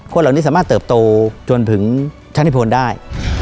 คนเหล่านี้สามารถเติบโตจนถึงชั้นนิพลได้